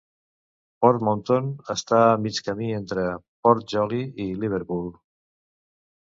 Port Mouton està a mig camí entre Port Joli i Liverpool.